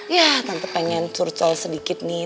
ya tante pengen curcol sedikit nih